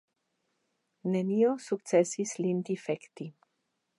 Nenio sukcesis lin difekti.